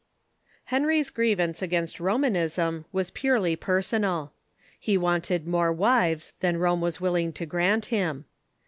Henry's grievance against Romanism was purely personal. He wanted more wives than Rome was willing to grant him.